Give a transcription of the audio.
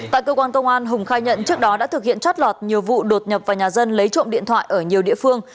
tại cơ quan công an hùng khai nhận trước đó đã thực hiện trót lọt nhiều vụ đột nhập vào nhà dân lấy trộm điện thoại ở nhiều địa phương